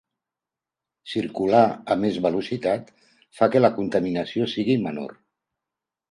Circular a més velocitat fa que la contaminació sigui menor.